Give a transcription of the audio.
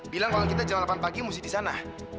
bilang kalau kita jam delapan pagi mesti di sana